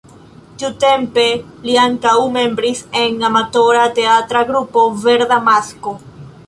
Tiutempe li ankaŭ membris en amatora teatra grupo Verda Masko.